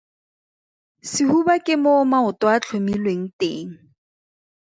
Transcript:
Sehuba ke moo maoto a tlhomilweng teng.